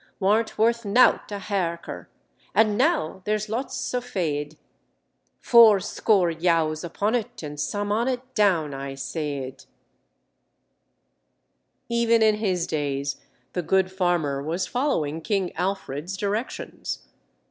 Warnt worth nowt a haäcre and now there's lots o feeäd, Four scoor yows upon it an some on it down i seeäd." Even in his days, the good farmer was following King Alfred's directions.